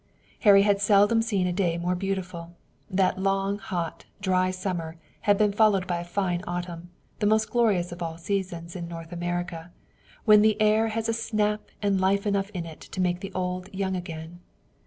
Harry had seldom seen a day more beautiful. That long hot, dry summer had been followed by a fine autumn, the most glorious of all seasons in North America, when the air has snap and life enough in it to make the old young again.